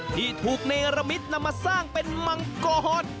ที่ถูกเนรมิตนำมาสร้างเป็นมังกร